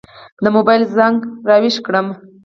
د موبایل زنګ را وېښ کړم.